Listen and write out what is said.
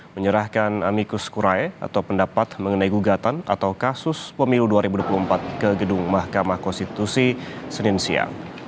menyerahkan amikus kurai atau pendapat mengenai gugatan atau kasus pemilu dua ribu dua puluh empat ke gedung mahkamah konstitusi senin siang